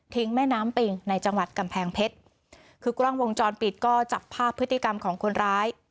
แม่น้ำปิงในจังหวัดกำแพงเพชรคือกล้องวงจรปิดก็จับภาพพฤติกรรมของคนร้าย